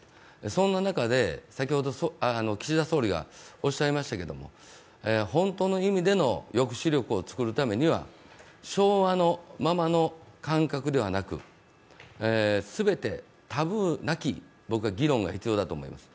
そんな中で、先ほど岸田総理がおっしゃいましたけれども本当の意味での抑止力を作るためには昭和のままの感覚ではなく全てタブーなき議論が必要だと思います。